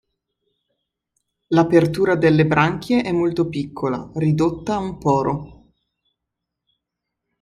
L'apertura delle branchie è molto piccola, ridotta a un poro.